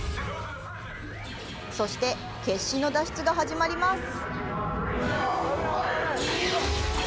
そして、決死の脱出が始まります！